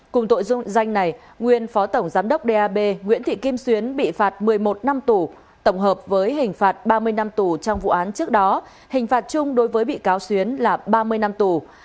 cùng tội danh này nguyên phó tổng giám đốc dap nguyễn thị kim xuyến bị phạt một mươi một năm tù tổng hợp với hình phạt ba mươi năm tù trong vụ án trước đó hình phạt chung đối với bị cáo xuyến là ba mươi năm tù